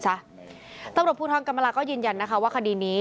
สำหรับผู้ท้องกำลังก็ยืนยันว่าคดีนี้